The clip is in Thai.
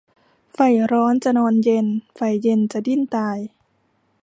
ใฝ่ร้อนจะนอนเย็น ใฝ่เย็นจะดิ้นตาย